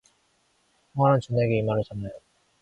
창하는 춘우에게 이 말을 전하여 주려고 설성월의 집으로 갔다.